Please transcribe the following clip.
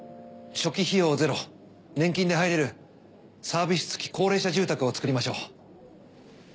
初期費用ゼロ年金で入れるサービス付き高齢者住宅をつくりましょう。